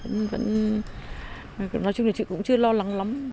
nói chung là chị cũng chưa lo lắng lắm